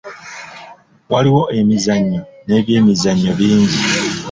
Waliwo emizannyo n'ebyemizannyo bingi.